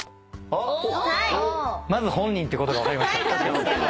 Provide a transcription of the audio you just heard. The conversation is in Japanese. まず本人ってことが分かりました。